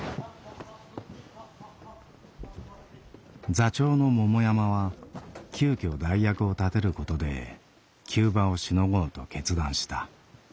座長の桃山は急きょ代役を立てることで急場をしのごうと決断した。